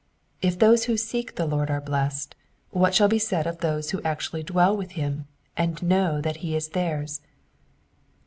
If those who seek the Lord are blessed, what shall be said of those who actually dwell with him and know that he is theirs